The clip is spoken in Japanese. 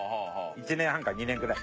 １年半か２年ぐらい。